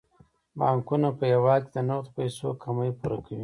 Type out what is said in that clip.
بانکونه په هیواد کې د نغدو پيسو کمی پوره کوي.